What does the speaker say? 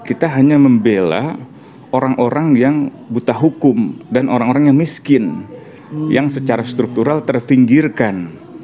kita hanya membela orang orang yang buta hukum dan orang orang yang miskin yang secara struktural terfinggirkan